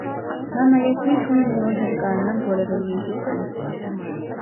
Նա նաև հույս ունի մի օր ներկայանալ որևէ մյուզիքլում։